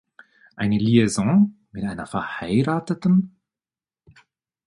Eine Liaison mit einer verheirateten?